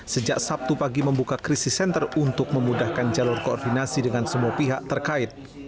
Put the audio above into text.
sejak sabtu pagi membuka krisis center untuk memudahkan jalur koordinasi dengan semua pihak terkait